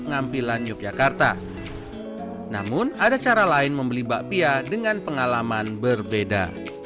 ngampilan yogyakarta namun ada cara lain membeli bakpia dengan pengalaman berbeda